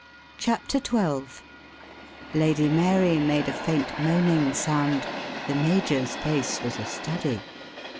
CHAPTER XII Lady Mary made a faint moaning sound. The major's face was a study.